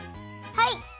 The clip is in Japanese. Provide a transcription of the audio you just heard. はい！